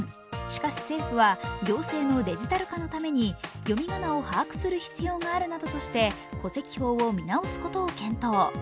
しかし政府は行政のデジタル化のために読み仮名を把握する必要があるなどとして戸籍法を見直すことを検討。